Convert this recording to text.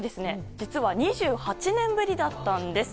実は２８年ぶりだったんです。